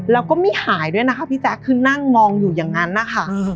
แล้วก็ไม่หายด้วยนะคะพี่แจ๊คคือนั่งมองอยู่อย่างนั้นนะคะ